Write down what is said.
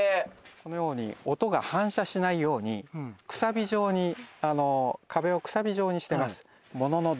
このように音が反射しないようにくさび状に壁をくさび状にしてます。